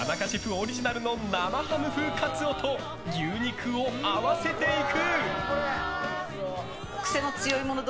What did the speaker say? オリジナルの生ハム風カツオと牛肉を合わせていく！